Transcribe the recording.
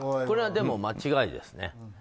これはでも、間違いですね。